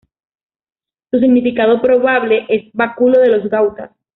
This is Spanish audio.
Su significado probable es "báculo de los Gautas".